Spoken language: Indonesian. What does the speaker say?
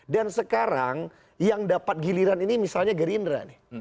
dan sekarang yang dapat giliran ini misalnya gerindra nih